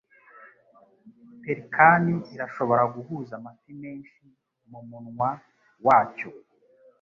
Pelikani irashobora guhuza amafi menshi mumunwa wacyo.